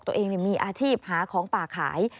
ตัวเองมีอาชีพหาของป่าขาย